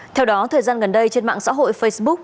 theo đó thời gian gần đây trên mạng xã hội facebook